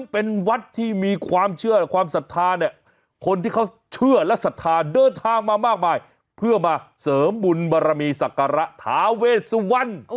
เป็นวัดที่มีความเชื่อความศรัทธาเนี่ยคนที่เขาเชื่อและศรัทธาเดินทางมามากมายเพื่อมาเสริมบุญบารมีศักระทาเวสวรรณ